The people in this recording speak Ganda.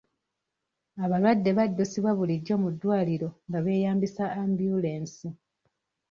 Abalwadde baddusibwa bulijjo mu ddwaliro nga beeyambisa ambyulensi.